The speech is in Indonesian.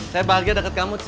saya bahagia deket kamu c